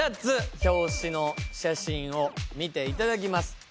表紙の写真を見ていただきます。